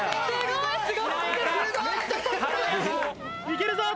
いけるぞ。